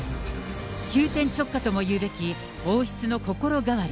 急転直下ともいうべき、王室の心変わり。